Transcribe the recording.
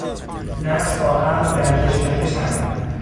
نفس با عقل در کشمکش اند